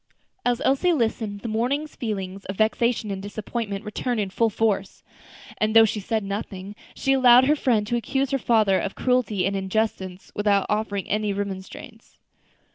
As Elsie listened the morning's feelings of vexation and disappointment returned in full force; and though she said nothing, she allowed her friend to accuse her father of cruelty and injustice without offering any remonstrance.